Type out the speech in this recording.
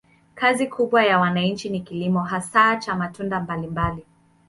Kazi kubwa ya wananchi ni kilimo, hasa cha matunda mbalimbali.